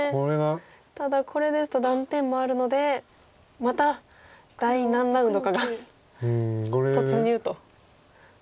ただこれですと断点もあるのでまた第何ラウンドかが突入と。